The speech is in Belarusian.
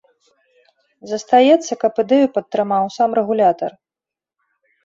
Застаецца, каб ідэю падтрымаў сам рэгулятар.